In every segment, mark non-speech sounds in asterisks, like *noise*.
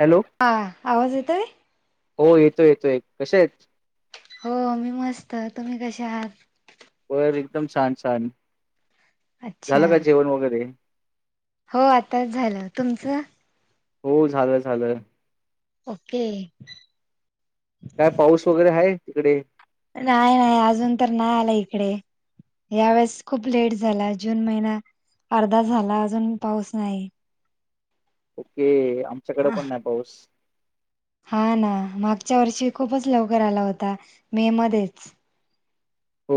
Hello हा आवाज येतोय हो येतोय येतो कशे आहेत हो मी मस्त तुम्ही कसे आहात व एकदम छान छान अच्छा झालं का जेवण वगैरे हो आताच झालं तुमचं हो झालं झालं ओके काय पाऊस वगैरे आहे तिकडे नाही नाही अजून तर नाही आला इकडे या वेळेस खूप लेट झाला जून महिना अर्धा झाला अजून पाऊस नाही ओके आमच्याकडे पण नाही पाऊस हा ना मागच्या वर्षी खूपच लवकर आला होता मे मध्येच हो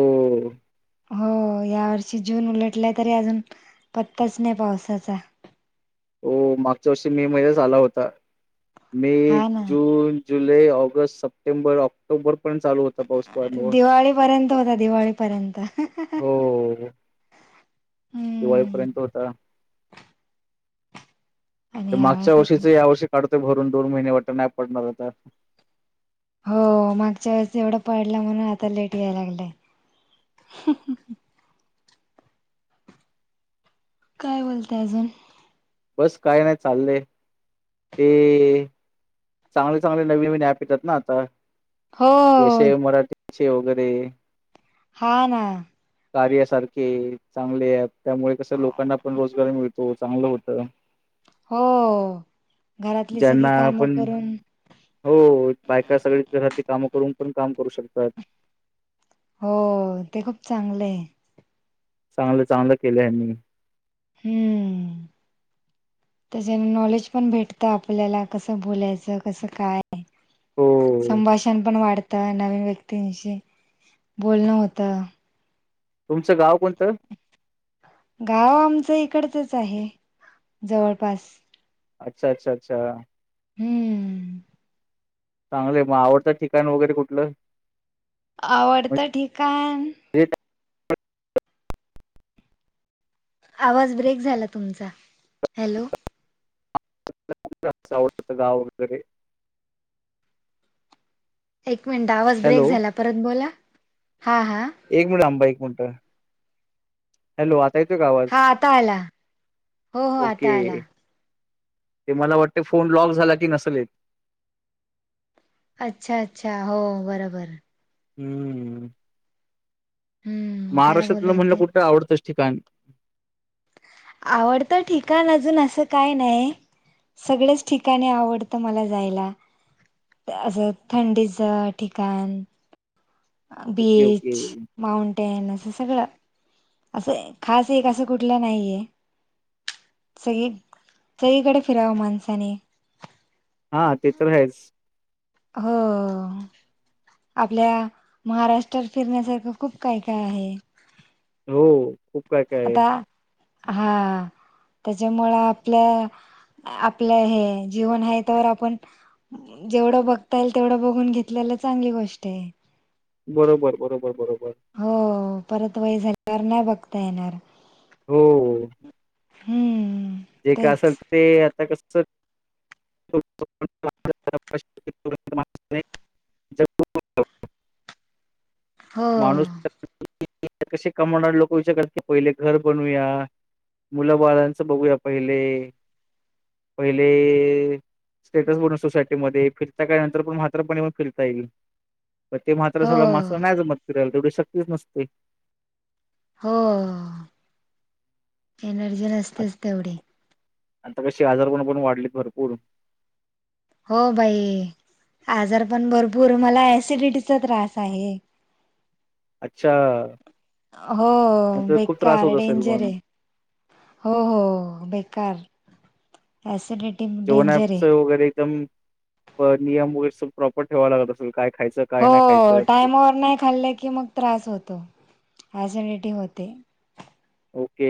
हो या वर्षी जून उलटला तरी अजून पत्ताच नाही पावसाचा हो मागच्या वर्षी मे महिन्या आला होता मे हा ना जून जुलै ऑगस्ट सप्टेंबर ऑक्टोबर पण चालू होता पाऊस प मु दिवाळीपर्यंत होता दिवाळीपर्यंत हो हम्म दिवाळीपर्यंत होता आणि यावेळेस मागच्या अजून वर्षीचे या वर्षी काढतोय भरून दोन महिने वाट नाही पडणार आता दिप रिकाम काय बोलच बस काय नाही चाललंय ते चांगले चांगले नवीन नवीनप येतात ना आता हो ये मराठी े वगैरे हा ना कार्यासारखे चांगले आहेत त्यामुळे कसं लोकांना पण रोजगार मिळत तो चांगलं होत हो घरातली ज्यांना सगळी कामं पण करून हो बायका सगळी घरातली कामं करून पण काम करू शकतात हो ते खूप चांगलं आहे चांगलं चांगलं केलं यांनी हम्म त्याच्यान नॉलेज पण भेटतं आपल्याला कसं बोलायचं कसं काय हो संभाषण पण वाढत नवीन व्यक्तींशी बोलणं होत तुमचं गाव कोणतं गाव आमच इकङच आहे अच्छा अच्छा अच्छा हम्म चांगलंय मग आवडतं ठिकाण वगैरे कुठलं आवडत ठीकण म्हणजे त्याचं आवाज ब्रेक झाला तुमचा हॅलो आवडतं गाव वगैरे एक मिनिट आवाज ब्रेक हॅलो झाला परत बोला हा हा एक मिनिट आंबा एक मिनिट हॅलो आ ताद आवाज हा आता आला हो हो ओके आता आला ते मला वाटते फोन लॉक झाला की नसेल येत अच्छा अच्छा हो बरोबर हम्म हम्म काय बोलत महाराष्ट्रातलं म्हणलं होते कुठं आवडतच ठिकाण आवडतं ठिकाण अजून असं काय नाही सगळच ठिकाणी आवडतं मला जायला असं थंडीच ठिकाण ओके, ओके. बीच माउंटेन्स हे सगळं असं खास एक असं कुठलं नाहीये सगळीकडे फिरावं माणसाने हा ते तर आहेच हो आपल्या महाराष्ट्रात फिरण्यासारखं खूप काय काय आहे हो खूप काय काय आहे आता हा त्याच्यामुं आपल्या आपलं हे जीवन आहे त्यावर आपण जेवढं बघता येईल तेवढं बघून घेतलेला चांगली गोष्ट आहे बरोबर बरोबर बरोबर हो परत वय झाल्यावर नाही बघता येणार हो हम्म जे काय तेच असेल ते आता कस हम्म हो माणुस कसे कमवणारे लोक विचारात की पहिले घर बनूया मुलं बालांचं बघूया पहिले पहिले स्टेटस बोलून सोसायटी मध्ये फिरता का नंतर पण मात्रपणे फिरता येईल पण ते मात्र हो झा मास नाही जमत कराेल तेवढी शक्तीच नसते हो एनर्जी नसतेच तेवढी आणिता कशीे हजार गुण पण वाढले भरपूर हो भाई आजार पण भरपूर मला सिडिटीचा त्रास आहे अच्छा हो मग तर खूप त्रास होत बेकार असेल डेंजर मग आहे हो हो बेकार ऍसिडिटी जेवन डेंजर आहे. पच वगैरे एकदम नियम वगैरे स प्रॉपर ठेवा लागत असेल काय खायचं हो काय नाही खायचं टाइमावर नाही खाल्लं की मग त्रास होतो ॲझिडिटी होते ओके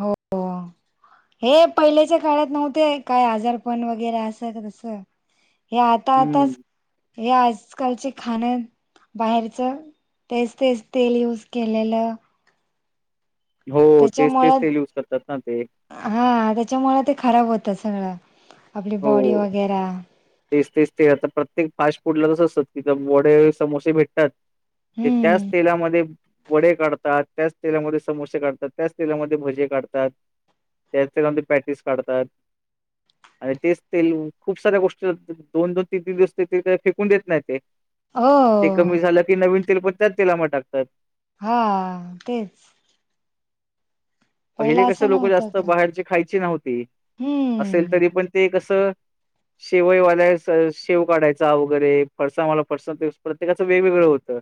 हो हे पहिल्याच्या काळात नव्हते काय आजारपण वगैरे अस तस हे आता हम्म आताच हे आजकालचे खाण बाहेरच तेच तेच तेल यूज केलेलं हो तेच त्याच्यामुळ तेच तेल युज करतात ना ते हा त्याच्यामु ते खराब होतच सगळं आपली हो बॉडी वगैरे तेच तेच ते आता प्रत्येक फास्ट फूडला तसं असतात कि वडे समोसे भेटतात ते त्याच हम्म तेलामध्ये वडे काढतात त्याच तेलामध्ये समोसे काढतात त्याच तेलामध्ये भजे काढतात त्या ते प्रॅक्टिस काढतात आणि तेच ते खूप साऱ्या गोष्टी दोन दोन तीन तीन दिवस फेकून देत नाही ते हो ते कमी झालं की नन तेलप्याच तेिलाम टाकतात हा तेच पहिले पहिला कस असं लोक नव्हतं जास्त का बाहेरची खायची नव्हती असेल हम्म तरी पण ते कस तर शेवईवाल्या शेव काढायचा वगैरे फरसावाला फरसाव प्रत्येकाचं वेगवेगळं होतं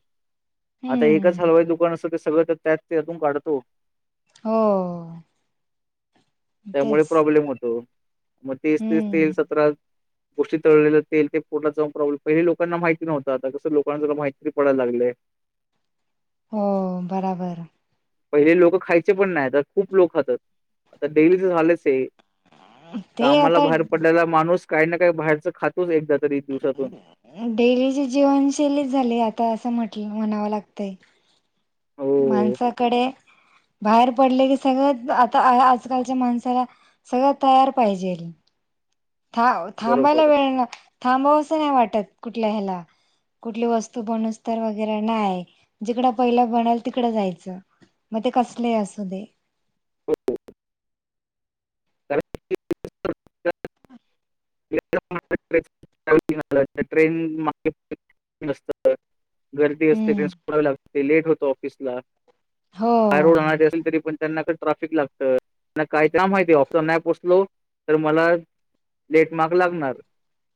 आता एकच हम्म हलवाई दुकान असत ते सगळं त्यात त्यातून काढतो हो त्यामुळे तेच प्रॉब्लेम होतो मग तीस तीस हम्म तीस सतरा गोष्टी तळलेल्या ते ते पोटात जाऊन प्रॉब्ले पहि लोकना माहिती नव्हता आता कस लोकनाला माहितीरी पडय लागय हम्म हो बराबर पहिले लोक खायचे पण नाही तर खूप लोक खातात आता डेलीच झालेच आहे ते कामाला आता बाहेर पडलेला माणूस काही ना काही बाहेरच खातोच एकदा तरी दिवसातून डेलीची जीवनशैलीच झाली आता असं म्हट कि म्हणावं लागतय हो माणसाकडे *inaudible* बाहेर पडले की सगळं आता आजकालच्या माणसाला सगळं तयार पाहिजे थ थांबायला बरोबर वेळ थांबावं असं नाही वाटत कुठल्या ह्याला कुठली वस्तू बनस् तर वगैरे नाही जिकडं पहिलं बनाल तिकडं जायचं मग ते कसले असू दे कारण ट्रेन मात गर्दी असते केलं हम्म सोडावी लागते लेट होत ऑफिसला हो बाय रोड राहची असेल तरी पण त्यांना ट्राफिक लागत काय का माहिती ऑफिसला नाही पोचलो तर मला लेटमार्क लागणार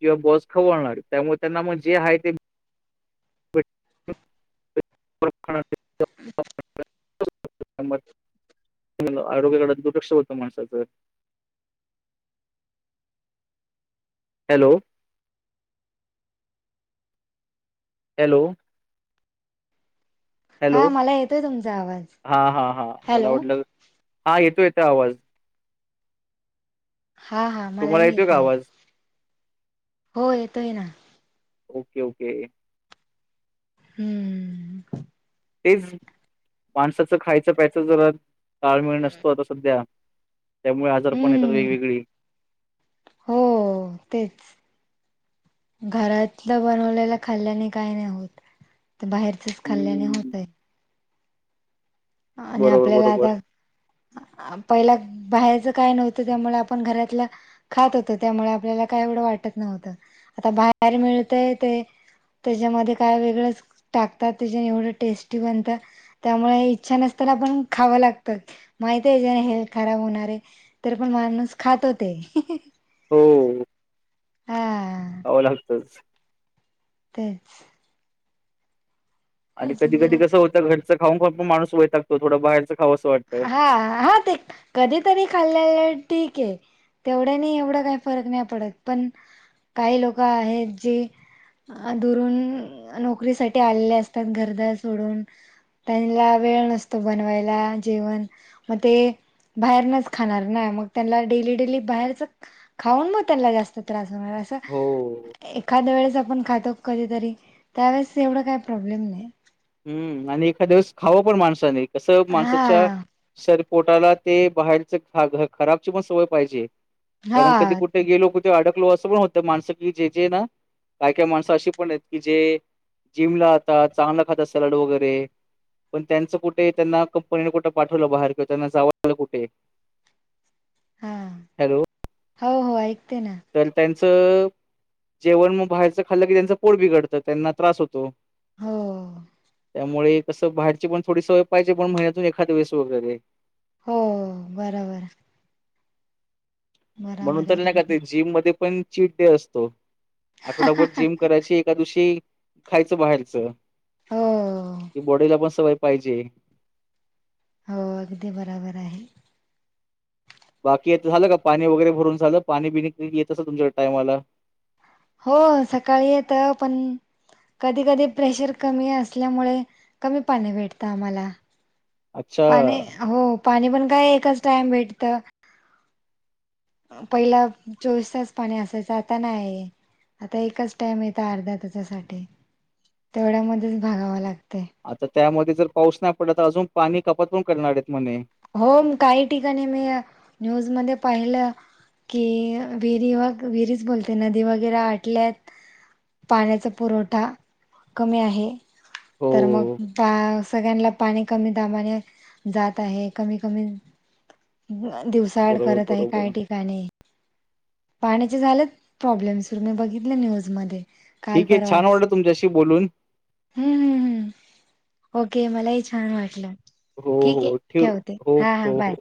किंवा बॉस खवळणार त्यामुळे त्यांना मग जे आहे ते *inaudible* म आरोग्याकडे दुर्लक्ष होतं माणसाचं हॅलो हॅलो हॅलो हा मला येतोय तुमचा आवाज हा हा हा मला हॅलो वाटलं हा येतो येतो आवाज हा हा तुम्हाला मलाही येतोय का येतय आवाज हो येतोय ना ओके ओके हम्म तेच माणसाचं खायचं प्यायचं जर ताळमळ नसतो आता सध्या त्यामुळे आजार पण येतात हम्म वेगवेगळी हो तेच घरातलं बनवलेल्या खाल्ल्याने काही नाही होत तर बाहेरचच खाल्ल्याने हम्म होतय. आणि बरोबर आपल्याला बरोबर आता पहिला बाहेरचं काय नव्हतं त्यामुळे आपण घरातलं खात होतो त्यामुळे आपल्याला काय एवढं वाटत नव्हतं. आता बाहेर मिळतय ते. त्याच्यामध्ये काय वेगळंच टाकतात त्याच्या एवढ टेस्टी बनतात त्यामुळे छान असताना आपण खाव लागतं माहित हेल्थ खराब होणारे तर पण माणूस ख *unintelligible* *unintelligible* हा खाव लागतच. तेच. आणि कधी अजून कधी काय? कस होतं घरचं खाऊन खाऊन पण माणूस वय लागतो थोडं बाहेरच. हा हा ते कधी तरी खाल्लं. ठीक आहे तेवढ्या नाही एवढं काही फरक नाही पडत पण काही लोक आहेत जे अ दुरून नोकरी साठी आलेले असतात घरदार सोडून. त्यांना वेळ नसतो बनवायला जेवण मग ते बाहेरनच खाणार नाही मग त्यांना डेली डेली बाहेरच खाऊन मग त्यांना जास्त त्रास होणार. अससं. हो एखाद्या वेळेस आपण खातो कधीतरी त्यावेेळेस एवढं काही प्रॉब्लेम नाही. हम्म आणि एखाद्या दिवस खावं पण माणसाने कसं माणसाच्या हा शर् पोटाला ते बाहेरच खराबची पण सवय पाहिजे. कारण कधी हा कुठे गेलो कुठे अडक. असं पण होत माणसं की जे जे ना काय काय माणसं अशी पण आहेत की जे जिम ला आता चांगला खाता सलाड वगैरे पण त्यांचं कुठे त्यांना कंपनीने कुठं पाठवलं बाहेर? किंवा त्यांना जावलं कुठे? हा हॅलो. हो हो ऐक. तोलताय जेवण मग बाहेरच खाल्लं की, त्यांचं पोट बिघडतं त्यांना त्रास होतो. हो. त्यामुळे कसं बाहेरची पण थोडी सवय पाहिजे, पण महिन्यातून एखाद वेळेस वगैरे. हो बराबर. म्हणून तर नाही का अगदी ते जिम मध्ये पण चीट डे असतो. आठवडाभर जिम करायची, एकाद्या दिवशी खायचं बाहेरचं. हो कि बॉडीला पण सवय पाहिजे. हो अगदी बराबर आहे. बाकी येतं झालं का पाणी वगैरे भरून झालं? पाणी बि येत अस तुमच्या टायमाला? हो सकाळी येत पण कधी कधी प्रेशर कमी असल्यामुळे कमी पाणी भेटतं आम्हाला. अच्छा पाणी हो पाणी पण काय एकच टाइम भेटतं. पहिला चोवीस तास पाणी असायचं, आता नाही आहे. आता एकच टाइम येत अर्धा तासासाठी. तेवढ्यामध्येच भागावा लागत. आता त्यामध्ये जर पाऊस नाही पडला तर अजून पाणी कपात पण करणार आहेत म्हणे. हो काही ठिकाणी मी न्यूजमध्ये पाहिलं. कि विहिरी व विहिरीच बोलते नदी वगैरे आटल्यात. पाण्याचा पुरवठा कमी आहे. तर हो मग सगळ्यांलना पाणी कमी दाबाने जात आहे. कमी, कमी दिवसाआड बरोबर करत आहे काय बरोबर ठिकाणी. पाण्याचे झाले प्रॉब्लेम सुरु मी बघितले न्यूज मध्ये. काल ठीक हे छान परवाच वाटलं तुमच्याशी बोलून. हम्म हम्म हम् ओके मलाही छान वाटलं. हो ठीके हो ठेव ठेवते हो हा हा हो बाय. हो